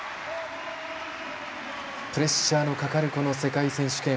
プレッシャーのかかるこの世界選手権。